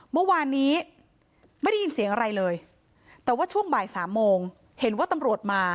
เมื่อวานนี้ไม่ได้ยินเสียงอะไรเลยแต่ว่าช่วงบ่ายสามโมงเห็นว่าตำรวจมา